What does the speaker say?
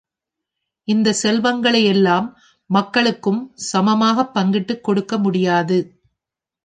இந்தச் செல்வங்களை எல்லா மக்களுக்கும் சமமாகப் பங்கிட்டுக் கொடுக்க முடியாது.